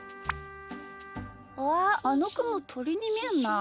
ああのくもとりにみえるな。